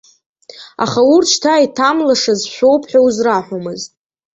Аха урҭ шьҭа иҭамлашаз шәоуп ҳәа узраҳәомызт.